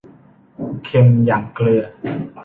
เค็มอย่างเกลือ